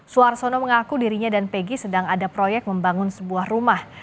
suarsono mengaku dirinya dan pegi sedang ada proyek membangun sebuah rumah